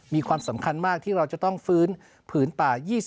มีความสำคัญมากที่เราจะต้องฟื้นผืนป่า๒๐